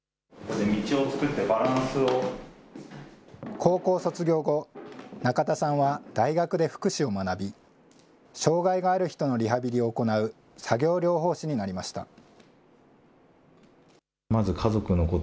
高校卒業後、仲田さんは大学で福祉を学び、障害がある人のリハビリを行う作業療法士になりました。